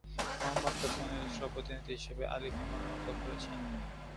মোহাম্মদ তার সুনির্দিষ্ট প্রতিনিধি হিসেবে আলীকে মনোনীত করেছেন।